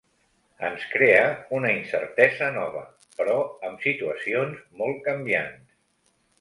Ens crea una incertesa nova, però amb situacions molt canviants.